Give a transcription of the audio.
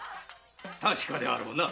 確かであろうな？